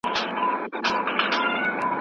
ویډیوګانې ښایي په لومړي نظر حقیقي ښکاري.